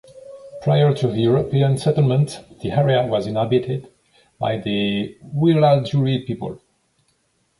Prior to European settlement, the area was inhabited by the Wiradjuri people.